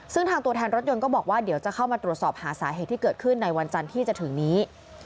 ซึ่งทางตัวแทนรถยนต์ก็บอกว่าเดี๋ยวจะเข้ามาตรวจสอบหาสาเหตุที่เกิดขึ้นในวันจันทร์ที่จะถึงนี้